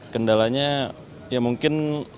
kendalanya ya mungkin